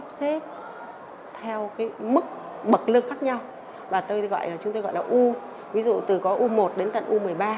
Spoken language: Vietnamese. chúng tôi sẽ đáp ứng theo cái mức bậc lưng khác nhau và tôi gọi là chúng tôi gọi là u ví dụ từ có u một đến tận u một mươi ba